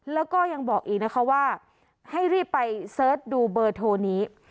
แล้วก็ยังบอกอีกนะคะว่าให้รีบไปเสิร์ชดูเบอร์โทรนี้